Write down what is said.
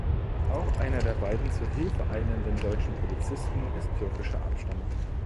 Auch einer der beiden zur Hilfe eilenden deutschen Polizisten ist türkischer Abstammung.